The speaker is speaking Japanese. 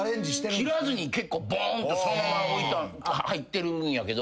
切らずに結構ぼーんとそのまま入ってるんやけど。